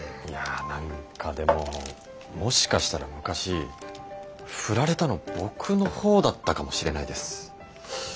いや何かでももしかしたら昔振られたの僕の方だったかもしれないです。